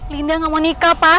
linda gak mau nikah pak